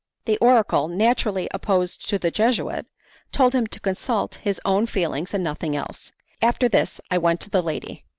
The oracle, naturally opposed to the Jesuit, told him to consult his own feelings and nothing else. After this I went to the lady.